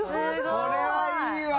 これはいいわ！